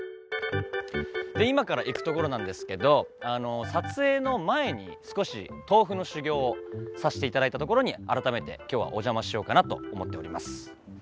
今から行くところなんですけど撮影の前に少し豆腐の修業をさせていただいた所に改めて今日はお邪魔しようかなと思っております。